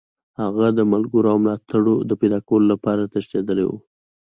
هغه د ملګرو او ملاتړو د پیداکولو لپاره تښتېدلی وو.